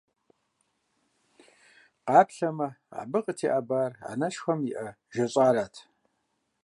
Къаплъэмэ, абы къытеӏэбар анэшхуэм и Ӏэ жэщӀарат.